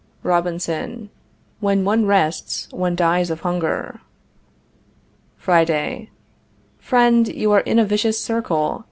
Robinson. When one rests one dies of hunger. Friday. Friend, you are in a vicious circle.